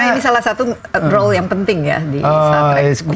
karena ini salah satu role yang penting ya di star trek